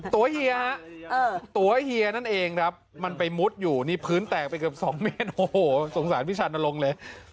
เฮียฮะตัวเฮียนั่นเองครับมันไปมุดอยู่นี่พื้นแตกไปเกือบ๒เมตรโอ้โหสงสารพี่ชานลงเลย